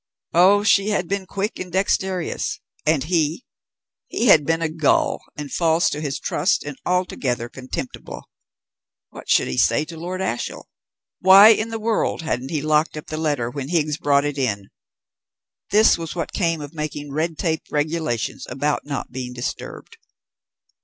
Oh, she had been quick and dexterous! And he? He had been a gull, and false to his trust, and altogether contemptible. What should he say to Lord Ashiel? Why in the world hadn't he locked up the letter when Higgs brought it in? This was what came of making red tape regulations about not being disturbed.